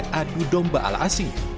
sebuah agung domba ala asing